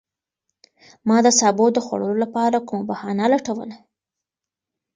ما د سابو د خوړلو لپاره کومه بهانه لټوله.